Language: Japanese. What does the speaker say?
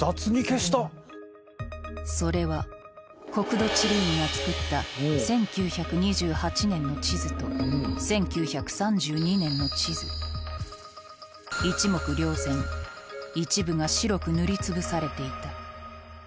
それは国土地理院が作った１９２８年の地図と１９３２年の地図一目瞭然一部がこれは。